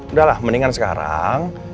udah lah mendingan sekarang